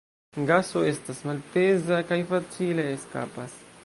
Gaso estas malpeza kaj facile eskapas.